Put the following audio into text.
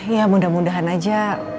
ya mudah mudahan aja